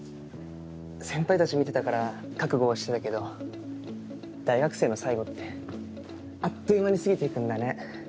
先輩たち見てたから覚悟はしてたけど大学生の最後ってあっという間に過ぎていくんだね。